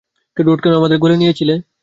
Red কেন আমাদের গিলে নিয়েছিল?